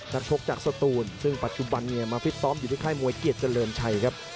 นักโชคจากสตูนซึ่งปัจจุบันมาฟิตซอมอยู่ที่ค่ายมวยเกลียดเจริญชัยครับ